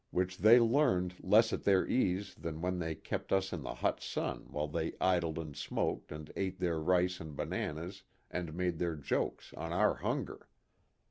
Which they learned less at their ease than when they kept us in the hot sun while they idled and smoked and ate their rice and bananas and made their jokes on our hunger.